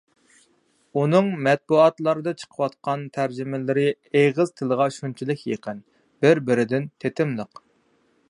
ئۇنىڭ مەتبۇئاتلاردا چىقىۋاتقان تەرجىمىلىرى ئېغىز تىلىغا شۇنچىلىك يېقىن، بىر-بىرىدىن تېتىملىق.